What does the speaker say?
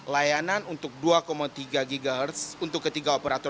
layanan untuk dua tiga ghz untuk ketiga operator